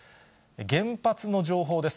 原発の情報です。